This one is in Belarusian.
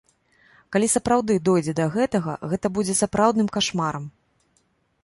Калі сапраўды дойдзе да гэтага, гэта будзе сапраўдным кашмарам.